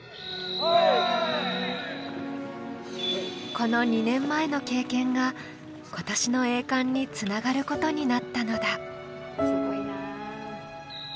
この２年前の経験が今年の栄冠につながることになったのだ。